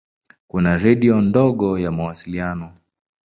Kuna redio ndogo ya mawasiliano.